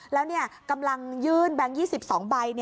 แล้วกำลังยื่นแบงค์๒๒ใบ